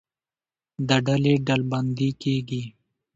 دا ډلې ډلبندي کېږي.